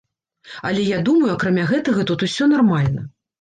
Але я думаю акрамя гэтага тут усё нармальна.